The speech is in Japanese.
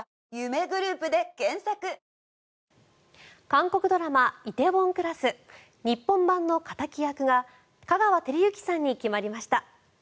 韓国ドラマ「梨泰院クラス」日本版の敵役が香川照之さんに決まりました。